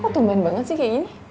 kok temen banget sih kayak gini